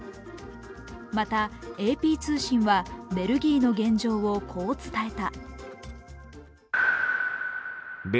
またＡＰ通信はベルギーの現状をこう伝えた。